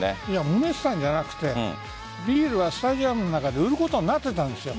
もめてたんじゃなくてビールはスタジアムの中で売ることになってたんです。